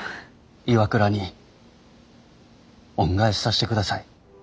ＩＷＡＫＵＲＡに恩返しさしてください。